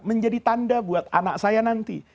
menjadi tanda buat anak saya nanti